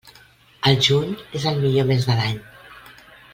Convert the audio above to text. El juny és el millor mes de l'any.